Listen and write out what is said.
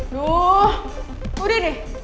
aduh udah deh